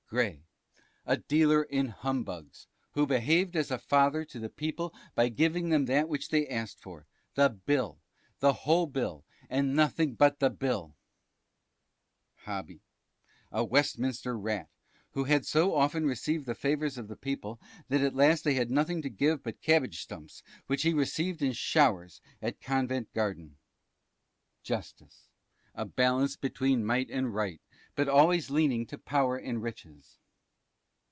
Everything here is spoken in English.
Grey. A dealer in humbugs: who behaved as a father to the people by giving them that which they asked for The Bill, the whole Bill, and Nothing but the Bill! Hobby. A Westminster Rat, who had so often received the favours of the people that at last they had nothing to give but cabbage stumps, which he received in showers at Covent Garden. Justice. A balance between Might and Right, but always leaning to power and riches.